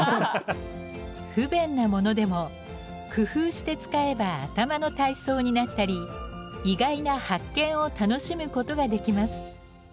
不便なものでも工夫して使えば頭の体操になったり意外な発見を楽しむことができます。